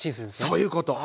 そういうこと。